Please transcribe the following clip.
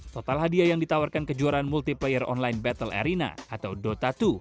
total hadiah yang ditawarkan kejuaraan multiplayer online battle arena atau dota dua